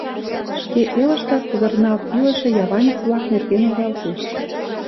Шке элыштак пызырналт илыше яванец-влак нерген ойлалтеш.